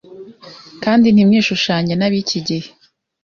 Kandi ntimwishushanye n’ab’iki gihe